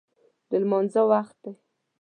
د لمانځه وخت دی